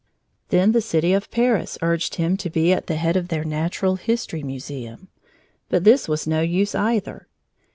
Then the city of Paris urged him to be at the head of their Natural History Museum, but this was no use, either.